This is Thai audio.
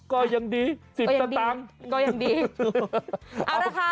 ก็ยังดี๑๐สตางค์